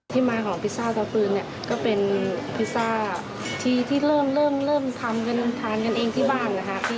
ที่มาของพิซซ่าเตาฟืนก็เป็นพิซซ่าที่เริ่มทำกันทานกันเองที่บ้าน